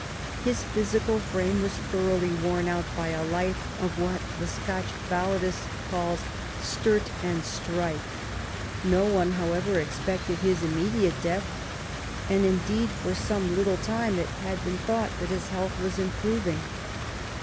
His physical frame was thor oughly worn out by a life of what the Scotch balladist calls " sturt and strife.'' No one, however, expected his immediate death, and indeed for some little time it had been thought that his health was improving.